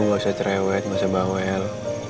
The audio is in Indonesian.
gak usah cerewet gak usah bawel